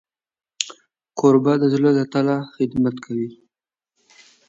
کوربه د زړه له تله خدمت کوي.